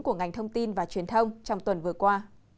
của ngành thông tin và truyền thông trong tuần vừa qua